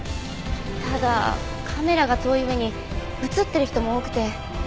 ただカメラが遠い上に映ってる人も多くて。